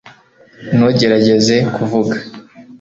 ntugerageze kuvuga